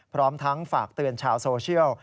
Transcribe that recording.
พร้อมทั้งฝากเตือนชาวโซเชียล